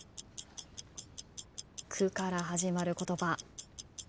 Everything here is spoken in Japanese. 「く」から始まる言葉。